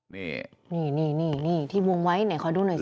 นี่นี่นี่นี่ที่วงไว้ไหนขอดูหน่อยซิ